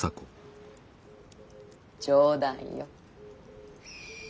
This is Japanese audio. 冗談よ。